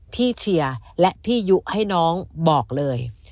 เชียร์และพี่ยุให้น้องบอกเลย